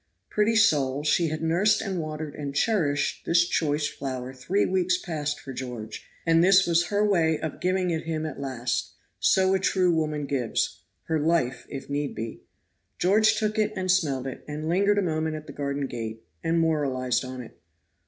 Pretty soul, she had nursed and watered and cherished this choice flower this three weeks past for George, and this was her way of giving it him at last; so a true woman gives (her life, if need be). George took it and smelled it, and lingered a moment at the garden gate, and moralized on it.